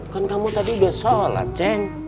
kan kamu tadi udah sholat ceng